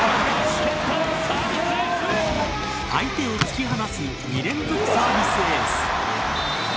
相手を突き放す２連続サービスエース。